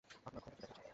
আপনার খবরটি দেখা উচিত।